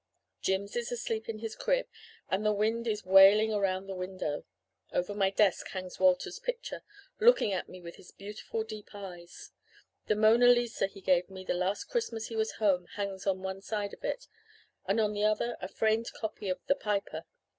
Jims is asleep in his crib and the wind is wailing around the window; over my desk hangs Walter's picture, looking at me with his beautiful deep eyes; the Mona Lisa he gave me the last Christmas he was home hangs on one side of it, and on the other a framed copy of "The Piper."